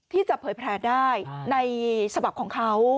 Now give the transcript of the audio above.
ที่จะเผยแพร่ได้ในฉบับของเขา